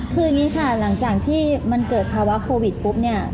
คืออย่างนี้ค่ะหลังจากที่มันเกิดภาวะโควิดปุ๊บเนี่ย